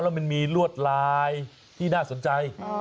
แล้วมันมีลวดลายที่น่าสนใจ